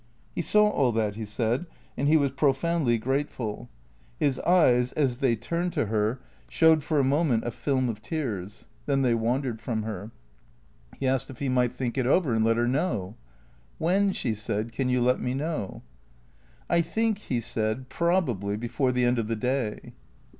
He saw all that, he said, and he was profoundly grateful. 225 226 THECREATOES His eyes, as they turned to her, showed for a moment a film of tears. Then they wandered from her. He asked if he might think it over and let her know. " When," she said, " can you let me know ?"" I think," he said, " probably, before the end of the day."